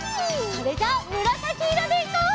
それじゃあむらさきいろでいこう！